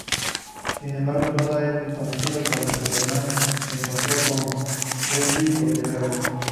Sin embargo, todavía es desconocido, cuando Superman se encontró con Bette por primera vez.